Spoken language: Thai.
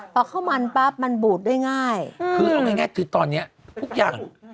พอข้าวมันปั๊บมันบูดได้ง่ายคือเอาง่ายคือตอนนี้ทุกอย่าง